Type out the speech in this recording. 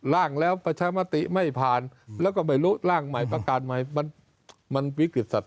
ร่างแล้วประชามติไม่ผ่านแล้วก็ไม่รู้ร่างใหม่ประกาศใหม่มันวิกฤตสัตว